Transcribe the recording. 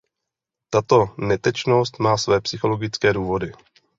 Tato netečnost má své psychologické důvody.